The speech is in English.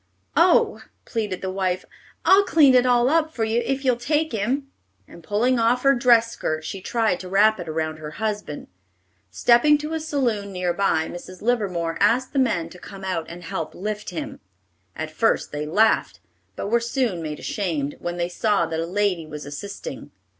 "Oh!" pleaded the wife, "I'll clean it all up for ye, if ye'll take him," and pulling off her dress skirt, she tried to wrap it around her husband. Stepping to a saloon near by, Mrs. Livermore asked the men to come out and help lift him. At first they laughed, but were soon made ashamed, when they saw that a lady was assisting.